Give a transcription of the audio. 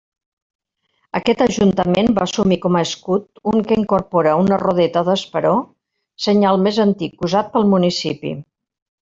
Aquest Ajuntament va assumir com a escut un que incorpora una rodeta d'esperó, senyal més antic usat pel municipi.